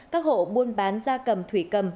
các hộ buôn bán gia cầm thủy cầm